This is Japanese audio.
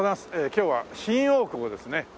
今日は新大久保ですね。